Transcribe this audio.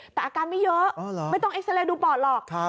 แต่อาการไม่เยอะไม่ต้องเอ็กซาเรย์ดูปอดหรอก